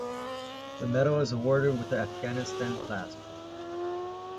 The medal is awarded with the "Afghanistan" clasp.